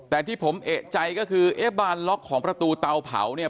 แต่ที่ผมเอกใจก็คือเอ๊ะบานล็อกของประตูเตาเผาเนี่ย